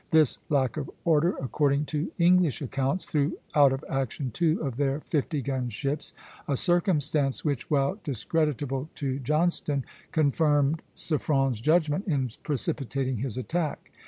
This lack of order, according to English accounts, threw out of action two of their fifty gun ships, a circumstance which, while discreditable to Johnstone, confirmed Suffren's judgment in precipitating his attack.